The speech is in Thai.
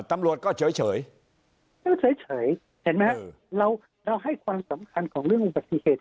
ตำรวจก็เฉยก็เฉยเห็นไหมฮะเราให้ความสำคัญของเรื่องอุบัติเหตุ